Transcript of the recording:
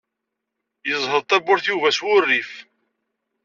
Yezheḍ Yuba tawwurt s wurrif.